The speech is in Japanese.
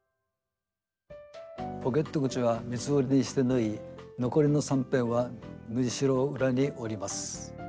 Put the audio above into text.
ポケット口は三つ折りにして縫い残りの三辺は縫いしろを裏に折ります。